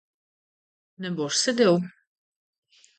Ne boš sedel?